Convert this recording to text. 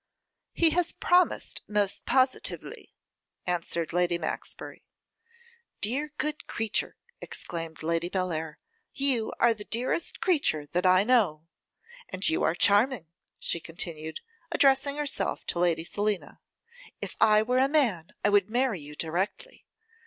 'He has promised most positively,' answered Lady Maxbury. 'Dear, good creature!' exclaimed Lady Bellair, 'you are the dearest creature that I know. And you are charming,' she continued, addressing herself to Lady Selina; 'if I were a man, I would marry you directly.